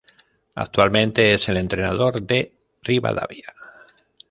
Actualmente es el entrenador de Rivadavia.